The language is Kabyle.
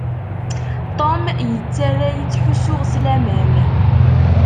Tom yettarra-yi ttḥussuɣ s laman.